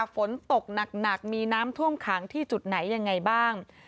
ฝนตกหนักมีน้ำท่วมขังที่จุดไหนยังไงบ้าง